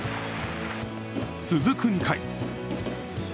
続く２回。